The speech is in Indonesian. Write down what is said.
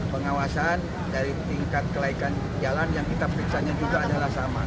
pengawasan dari tingkat kelaikan jalan yang kita periksanya juga adalah sama